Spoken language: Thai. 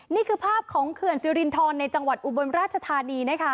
นี่คือภาพของเขื่อนสิรินทรในจังหวัดอุบลราชธานีนะคะ